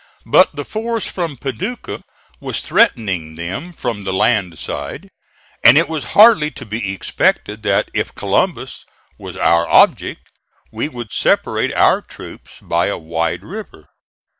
But the force from Paducah was threatening them from the land side, and it was hardly to be expected that if Columbus was our object we would separate our troops by a wide river.